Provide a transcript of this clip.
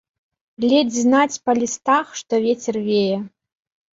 Ледзь знаць па лістах, што вецер вее.